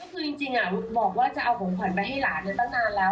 คือจริงบอกว่าจะเอาของขวัญไปให้หลานตั้งนานแล้ว